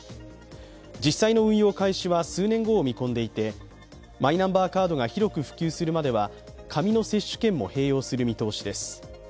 実際の運用開始は数年後を見込んでいてマイナンバーカードが広く普及するまでは紙の接種券も併用する見通しです。